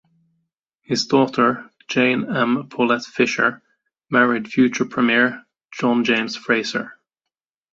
His daughter, Jane M. Paulette Fisher, married future premier John James Fraser.